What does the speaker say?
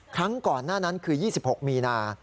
ครั้งก่อนหน้านั้นคือ๒๖มีนา